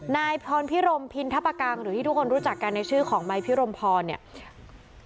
นายพรพิรมพินทปกังหรือที่ทุกคนรู้จักกันในชื่อของไม้พิรมพรเนี่ย